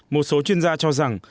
một số chuyên gia cho biết